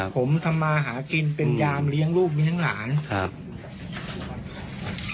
แคร์ร้านจริงไม่ใช่อะไรเลย